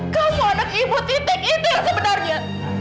kamu anak ibu titik itu yang sebenarnya